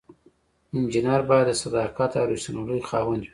انجینر باید د صداقت او ریښتینولی خاوند وي.